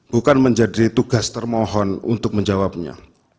bukan menjadi tugas termohon untuk menjawabnya